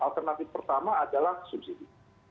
alternatif pertama adalah subsidi